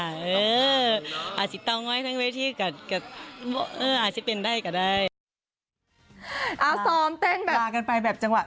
อาชิตต้องง่อยทั้งเวทีกับอาชิตเป็นได้ก็ได้